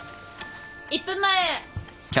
１分前。